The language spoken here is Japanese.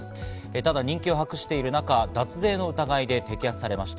ただ、人気を博している中、脱税の疑いで摘発されました。